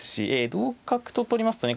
同角と取りますとね